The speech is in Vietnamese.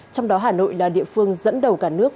trong đó hà nội là địa phương dẫn đầu cả nước